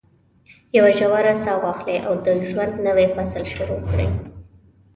یوه ژوره ساه واخلئ او د ژوند نوی فصل شروع کړئ.